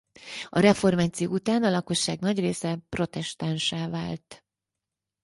A reformáció után a lakosság nagy része protestánssá vált.